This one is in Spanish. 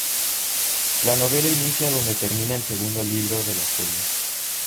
La novela inicia donde termina el segundo libro de la serie.